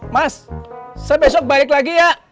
mas saya besok balik lagi ya